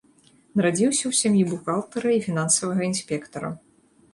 Нарадзіўся ў сям'і бухгалтара і фінансавага інспектара.